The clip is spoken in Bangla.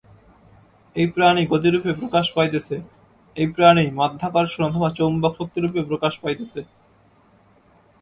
এই প্রাণই গতিরূপে প্রকাশ পাইতেছে, এই প্রাণই মাধ্যাকর্ষণ অথবা চৌম্বক শক্তিরূপে প্রকাশ পাইতেছে।